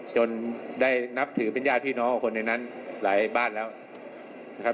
จนได้นับถือเป็นญาติพี่น้องของคนในนั้นหลายบ้านแล้วนะครับ